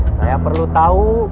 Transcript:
saya perlu tahu